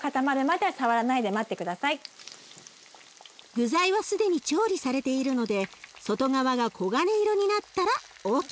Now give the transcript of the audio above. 具材は既に調理されているので外側が黄金色になったらＯＫ。